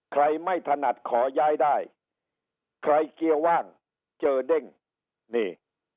ใครไม่ถนัดขอย้ายได้ใครเกียร์ว่างเจอเด้งนี่